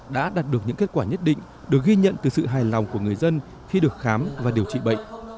đã đạt được những kết quả nhất định được ghi nhận từ sự hài lòng của người dân khi được khám và điều trị bệnh